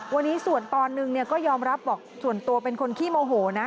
วันนี้ส่วนตอนหนึ่งก็ยอมรับบอกส่วนตัวเป็นคนขี้โมโหนะ